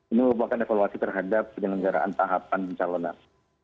ini merupakan evaluasi terhadap penyelenggaraan tahapan pencalonan